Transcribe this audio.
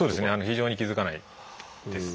非常に気付かないです。